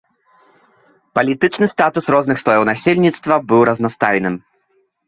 Палітычны статус розных слаёў насельніцтва быў разнастайным.